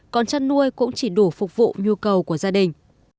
còn chăn nuôi cũng chỉ đủ phục vụ nhu cầu của gia đình